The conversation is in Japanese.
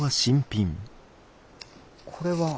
これは。